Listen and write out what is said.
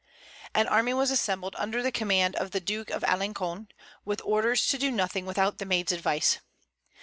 An army was assembled under the command of the Duke of Alençon, with orders to do nothing without the Maid's advice.